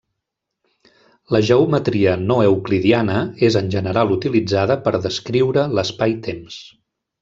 La geometria no euclidiana és en general utilitzada per a descriure l'espaitemps.